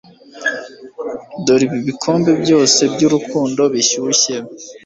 Dore ibi bikombe byose byurukundo bishyushye